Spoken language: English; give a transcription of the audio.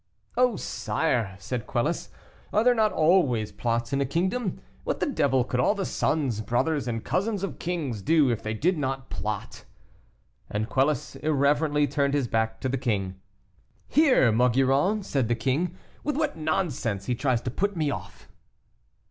"Oh, sire!" said Quelus, "are there not always plots in a kingdom? What the devil could all the sons, brothers, and cousins of kings do if they did not plot?" And Quelus irreverently turned his back to the king. "Hear, Maugiron," said the king, "with what nonsense he tries to put me off."